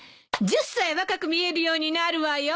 １０歳若く見えるようになるわよ。